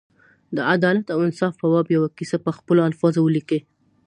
د عدالت او انصاف په باب یوه کیسه په خپلو الفاظو ولیکي.